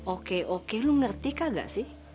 oke oke lo ngerti kagak sih